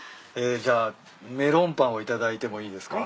じゃあメロンパンを頂いてもいいですか？